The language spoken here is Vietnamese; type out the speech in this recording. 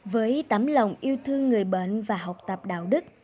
với tấm lòng yêu thương người bệnh và học tập đạo đức